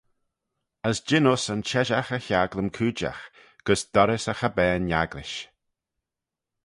As jean uss yn cheshaght y haglym cooidjagh, gys dorrys y chabbane-agglish.